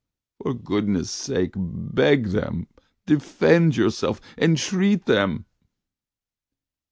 For goodness' sake, beg them, defend yourself, entreat them."